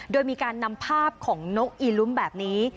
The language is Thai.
โดยมีการนำภาพของนกอีลุ้มแบบนี้